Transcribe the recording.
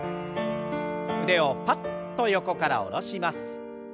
腕をパッと横から下ろします。